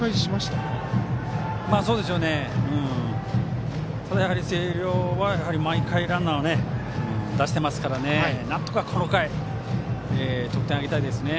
ただ、星稜は毎回ランナーを出していますからなんとかこの回得点を挙げたいですね。